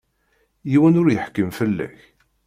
Yiwen ur yeḥkim fell-ak.